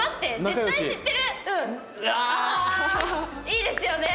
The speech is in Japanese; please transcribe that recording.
いいですよね！